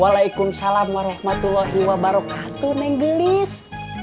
waalaikumsalam warahmatullahi wabarakatuh neng gilis